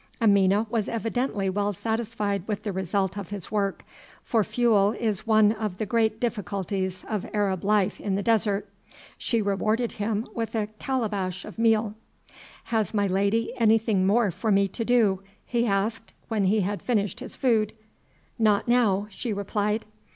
Amina was evidently well satisfied with the result of his work, for fuel is one of the great difficulties of Arab life in the desert. She rewarded him with a calabash of meal. "Has my lady anything more for me to do?" he asked when he had finished his food. "Not now," she replied.